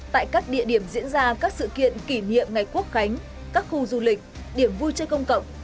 tại các địa điểm diễn ra các sự kiện kỷ niệm ngày quốc khánh các khu du lịch điểm vui chơi công cộng